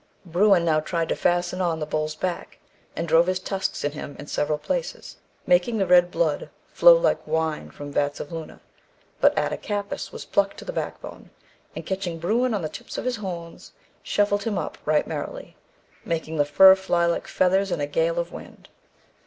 "Bruin now tried to fasten on the bull's back, and drove his tusks in him in several places, making the red blood flow like wine from the vats of Luna. But Attakapas was pluck to the back bone, and, catching bruin on the tips of his horns, shuffled him up right merrily, making the fur fly like feathers in a gale of wind.